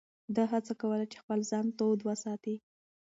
ده هڅه کوله چې خپل ځان تود وساتي.